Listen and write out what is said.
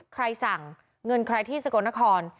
ใครสั่งเงินใครที่สกลนคร